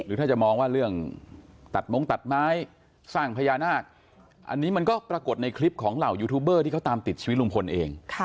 ถ้าจะมองว่าเรื่องตัดมงตัดไม้สร้างพญานาคอันนี้มันก็ปรากฏในคลิปของเหล่ายูทูบเบอร์ที่เขาตามติดชีวิตลุงพลเอง